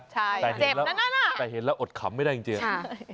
แต่ที่เห็นเหลืออดขำไม่ได้จริง